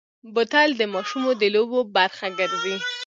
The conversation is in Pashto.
بوتل د ماشومو د لوبو برخه ګرځي.